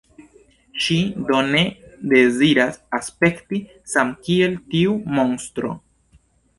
Ŝi do ne deziras aspekti samkiel tiu monstro.